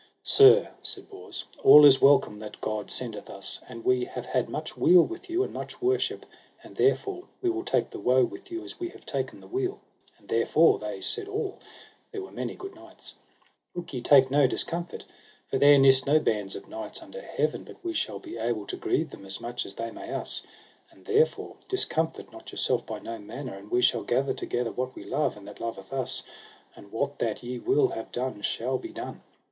Sir, said Bors, all is welcome that God sendeth us, and we have had much weal with you and much worship, and therefore we will take the woe with you as we have taken the weal. And therefore, they said all (there were many good knights), look ye take no discomfort, for there nis no bands of knights under heaven but we shall be able to grieve them as much as they may us. And therefore discomfort not yourself by no manner, and we shall gather together that we love, and that loveth us, and what that ye will have done shall be done.